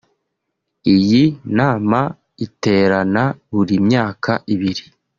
Iyi nama iterana buri myaka ibiri